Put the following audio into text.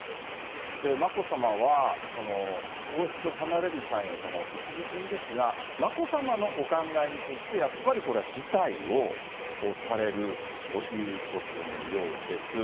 眞子さまは、皇室を離れる際の一時金ですが、眞子さまのお考えに沿って、やっぱりこれは辞退をされるということのようです。